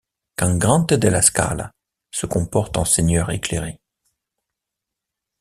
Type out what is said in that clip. Cangrande della Scala se comporte en seigneur éclairé.